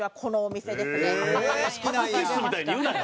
初キッスみたいに言うなよ。